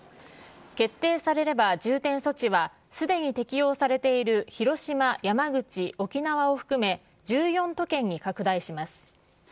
決定されれば重点措置はすでに適用されている広島、山口、沖縄を含め、１４都県に拡大します。